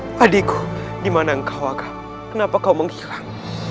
agam adikku dimana kau agam kenapa kau menghilang